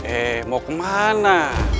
eh mau kemana